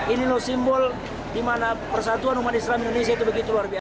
ini loh simbol di mana persatuan umat islam indonesia itu begitu luar biasa